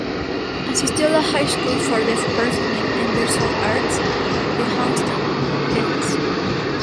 Asistió a la High School for the Performing and Visual Arts de Houston, Texas.